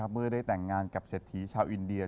เมื่อได้แต่งงานกับเศรษฐีชาวอินเดีย